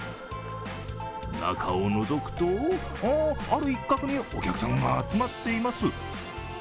中をのぞくと、ある一角にお客さんが集まっています。